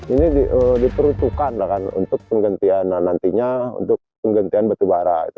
ini diperuntukkan untuk penggantian betubara